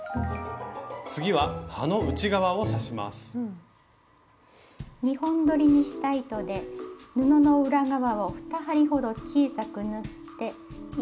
次は葉の２本どりにした糸で布の裏側を２針ほど小さく縫って糸を引きます。